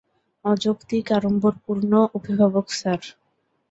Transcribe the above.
অযৌক্তিক, আড়ম্বরপূর্ণ, অভিভাবক স্যার।